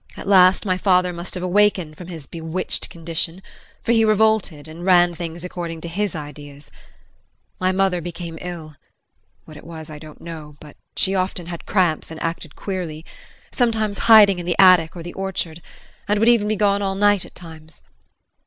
At last my father must have awakened from his bewitched condition, for he revolted, and ran things according to his ideas. My mother became ill what it was I don't know, but she often had cramps and acted queerly sometimes hiding in the attic or the orchard, and would even be gone all night at times.